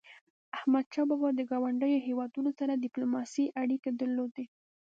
احمدشاه بابا د ګاونډیو هیوادونو سره ډیپلوماټيکي اړيکي درلودی.